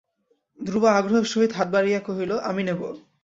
ধ্রুব আগ্রহের সহিত হাত বাড়াইয়া কহিল, আমি নেব।